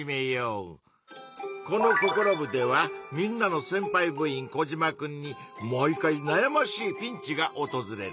この「ココロ部！」ではみんなのせんぱい部員コジマくんに毎回なやましいピンチがおとずれる。